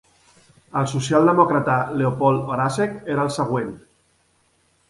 El social demòcrata Leopold Horacek era el següent.